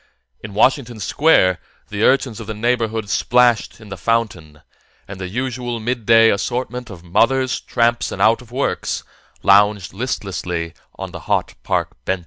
In Washington Square, the urchins of the neighborhood splashed in the fountain, and the usual midday assortment of mothers, tramps and out of works lounged listlessly on the hot park benches.